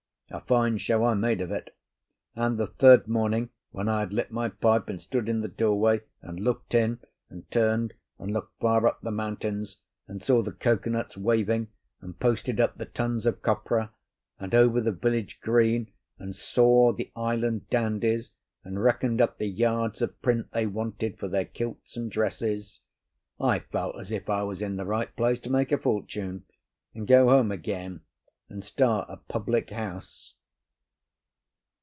A fine show I made of it; and the third morning when I had lit my pipe and stood in the door way and looked in, and turned and looked far up the mountain and saw the cocoanuts waving and posted up the tons of copra, and over the village green and saw the island dandies and reckoned up the yards of print they wanted for their kilts and dresses, I felt as if I was in the right place to make a fortune, and go home again and start a public house.